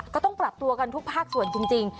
ก็ต้องปรับตัวกันทุกภาคส่วนจริง